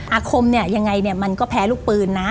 อาคมเนี่ยยังไงเนี่ยมันก็แพ้ลูกปืนนะ